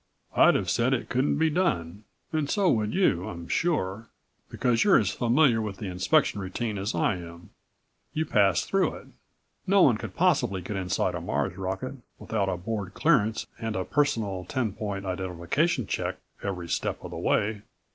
I'd have said it couldn't be done ... and so would you, I'm sure, because you're as familiar with the inspection routine as I am. You passed through it. No one could possibly get inside a Mars' rocket without a Board clearance and a personal, ten point identification check every step of the way.